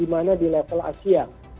bagaimana kelas di mana di level asia